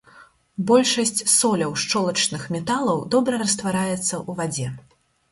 Большасць соляў шчолачных металаў добра раствараецца ў вадзе.